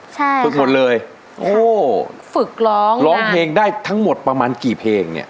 ใช่ฝึกหมดเลยโอ้โหฝึกร้องร้องเพลงได้ทั้งหมดประมาณกี่เพลงเนี้ย